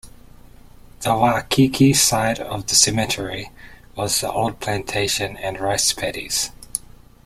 The Waikiki side of the cemetery was the old Plantation and rice paddies.